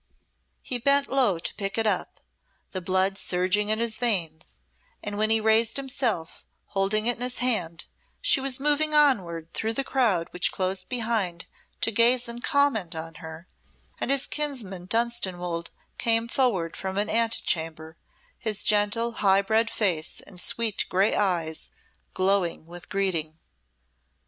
He bent low to pick it up, the blood surging in his veins and when he raised himself, holding it in his hand, she was moving onward through the crowd which closed behind to gaze and comment on her and his kinsman Dunstanwolde came forward from an antechamber, his gentle, high bred face and sweet grey eyes glowing with greeting.